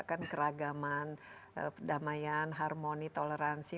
kan keragaman perdamaian harmoni toleransi